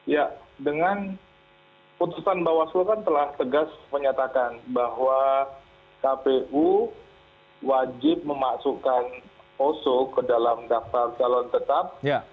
ya dengan putusan bawaslu kan telah tegas menyatakan bahwa kpu wajib memasukkan oso ke dalam daftar calon tetap